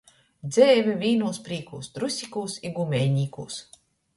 Dzeive vīnūs prīkūs – trusikūs i gumejnīkūs.